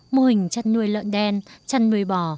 mô hình chăn nuôi lợn đen chăn nuôi bò